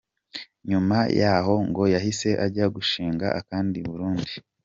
Nyuma y’aho ngo yahise ajya gushinga akandi i Burundi.